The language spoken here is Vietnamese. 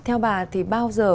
theo bà thì bao giờ